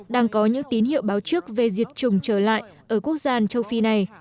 đang có những tín hiệu báo trước về diệt chủng trở lại ở quốc gia châu phi này